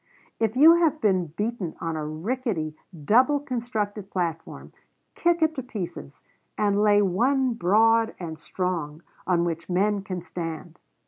"If you have been beaten on a rickety, double construed platform, kick it to pieces, and lay one broad and strong, on which men can stand."